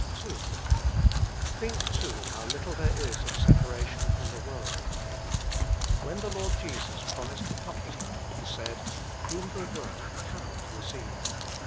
II Think, too, how little there is of separation from the world. When the Lord Jesus promised the Comforter, He said :" Whom the world cannot receive."